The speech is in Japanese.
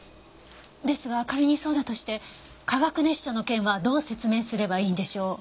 ですが仮にそうだとして化学熱傷の件はどう説明すればいいんでしょう？